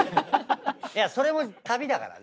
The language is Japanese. それも旅だからね。